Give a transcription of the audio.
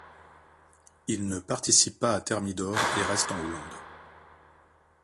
Il ne participe pas à Thermidor et reste en Hollande.